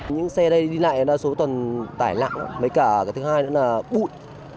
những xe đây đi lại là số tuần tải lặng mấy cả thứ hai nữa là bụi